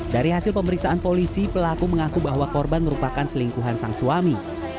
dari hasil pemeriksaan polisi pelaku mengaku bahwa korban merupakan selingkuhan sang suami